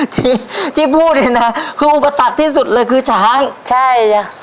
ที่ที่พูดเนี่ยนะคืออุปสรรคที่สุดเลยคือช้างใช่จ้ะ